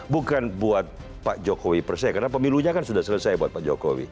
bukan buat pak jokowi percaya karena pemilunya kan sudah selesai buat pak jokowi